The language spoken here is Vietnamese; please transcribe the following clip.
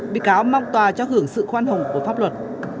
bị cáo mong tòa cho hưởng sự khoan hồng của pháp luật